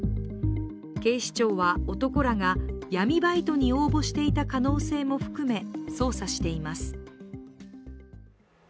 警視庁は男らが闇バイトに応募していた可能性も含め捜査しています。